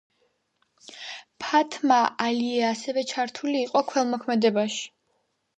ფათმა ალიე ასევე ჩართული იყო ქველმოქმედებაში.